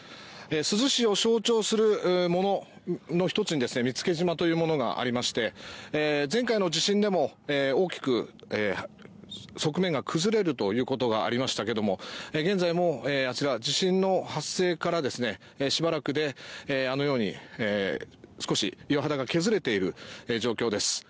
珠洲市を象徴するものの１つに見附島というものがありまして前回の地震でも、大きく側面が崩れることがありましたが現在も、地震の発生からしばらくであのように少し岩肌が削れている状況です。